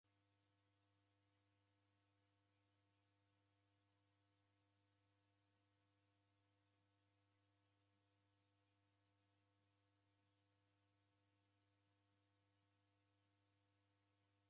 Chwau rape rebeka magha ghisew'uka naighu.